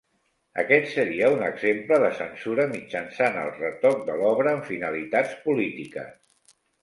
Aquest seria un exemple de censura mitjançant el retoc de l'obra amb finalitats polítiques.